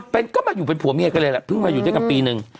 เป็นก็มาอยู่เป็นผัวเมียกันเลยแหละเพิ่งมาอยู่ด้วยกันปีนึง